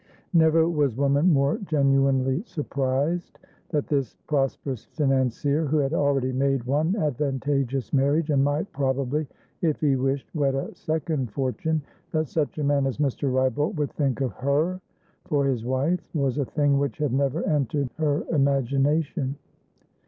Never was woman more genuinely surprised. That this prosperous financier, who had already made one advantageous marriage and might probably, if he wished, wed a second fortunethat such a man as Mr. Wrybolt would think of her for his wife, was a thing which had never entered her imagination.